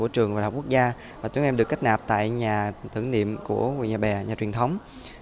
trường đại học quốc gia chúng em được kết nạp tại nhà tưởng niệm của quỳnh nhà bè nhà truyền thống